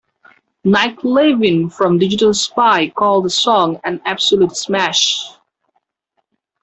Nick Levine from "Digital Spy" called the song "an absolute smash.